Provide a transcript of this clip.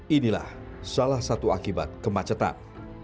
inilah salah satu akibat kemacetan